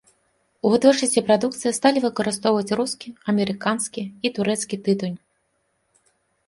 У вытворчасці прадукцыі сталі выкарыстоўваць рускі, амерыканскі і турэцкі тытунь.